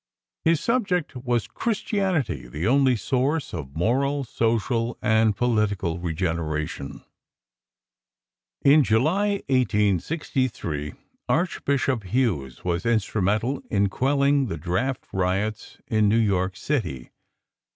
His subject was: "Christianity, the Only Source of Moral, Social and Political Regeneration." In July, 1863, Archbishop Hughes was instrumental in quelling the draft riots in New York City.